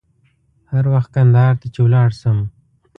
هر وخت کندهار ته چې ولاړ شم.